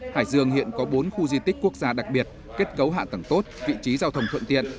hải dương hiện có bốn khu di tích quốc gia đặc biệt kết cấu hạ tầng tốt vị trí giao thông thuận tiện